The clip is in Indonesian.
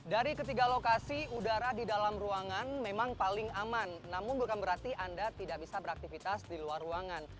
dari ketiga lokasi udara di dalam ruangan memang paling aman namun bukan berarti anda tidak bisa beraktivitas di luar ruangan